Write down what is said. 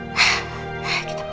kok takut sih